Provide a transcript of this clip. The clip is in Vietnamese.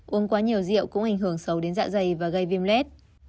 uống quá nhiều rượu cũng ảnh hưởng sâu đến dạ dày và gây viêm lết